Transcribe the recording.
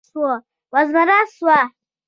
وزمړه سوه.